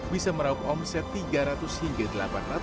bisa meraup omset tiga ratus rupiah